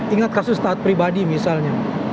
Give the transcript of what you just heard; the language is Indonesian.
ingat kasus taat pribadi misalnya